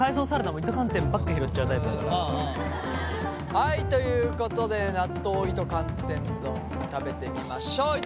はいということで納豆糸寒天丼食べてみましょう。